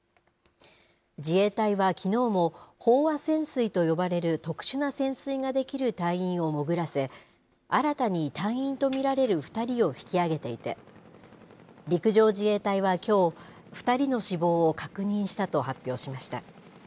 自衛隊はきのうも、飽和潜水と呼ばれる特殊な潜水ができる隊員を潜らせ、新たに隊員と見られる２人を引き揚げていて、陸上自衛隊はきょう、２人の死亡を確認したと発表しました。